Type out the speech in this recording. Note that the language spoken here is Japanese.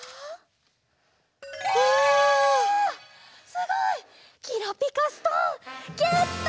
すごい！きらぴかストーンゲット！